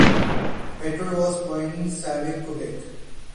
Pelletier was born in Sayabec, Quebec.